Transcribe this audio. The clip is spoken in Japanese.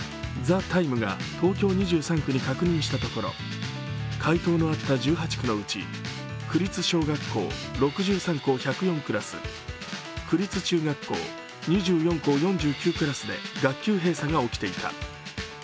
「ＴＨＥＴＩＭＥ，」が東京２３区に確認したところ、回答のあった１８区のうち区立小学校６３校１０４クラス区立中学校２４校４９クラスで学級閉鎖が起きていた。